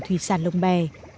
thủy sản lồng bè